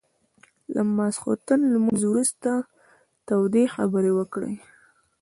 له ماخستن لمونځ وروسته تودې خبرې وکړې.